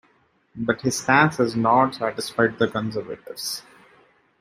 But his stance has not satisfied the conservatives.